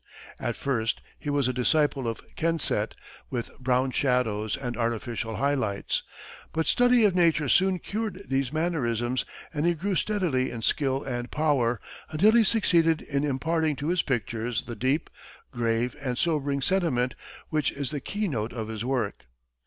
At first, he was a disciple of Kensett, with brown shadows and artificial high lights, but study of nature soon cured these mannerisms, and he grew steadily in skill and power, until he succeeded in imparting to his pictures the deep, grave and sobering sentiment, which is the keynote of his work.